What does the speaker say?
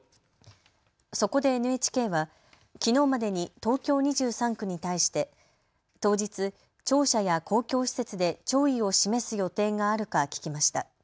そこでＮＨＫはきのうまでに東京２３区に対して当日、庁舎や公共施設で弔意を示す予定があるか聞きました。